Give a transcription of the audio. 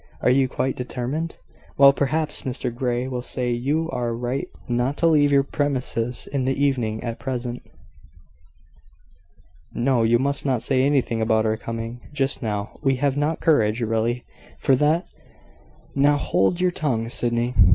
Are you quite determined? Well, perhaps Mr Grey will say you are right not to leave your premises in the evening, at present. No; you must not say anything about our coming just now. We have not courage, really, for that. Now hold your tongue, Sydney.